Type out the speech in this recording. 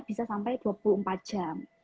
bisa sampai dua puluh empat jam